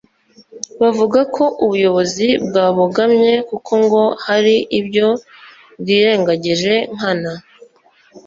bavuga ko ubuyobozi bwabogamye kuko ngo hari ibyo bwirengagije nkana